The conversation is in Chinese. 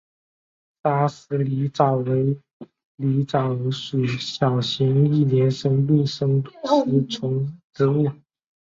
砂石狸藻为狸藻属小型一年生陆生食虫植物。